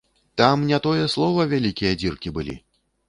Там не тое слова, вялікія дзіркі былі!